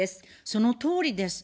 そのとおりです。